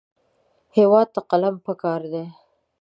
هېواد ته قلم پکار دی